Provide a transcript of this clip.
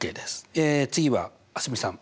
次は蒼澄さん。